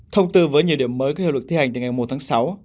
thông tư với nhiều điểm mới có hiệu lực thi hành từ ngày một tháng sáu